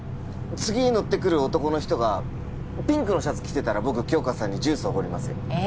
次乗ってくる男の人がピンクのシャツ着てたら僕杏花さんにジュースおごりますよえ